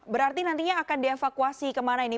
berarti nantinya akan dievakuasi kemana ini